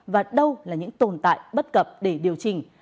và đâu là những tồn tại bất cập để điều chỉnh